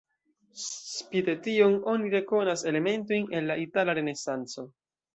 Spite tion oni rekonas elementojn el la itala renesanco.